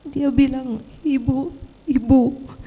dia bilang ibu ibu